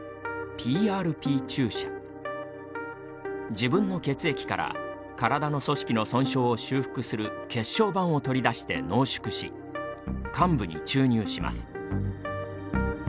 自分の血液から体の組織の損傷を修復する血小板を取り出して濃縮し患部に注入します。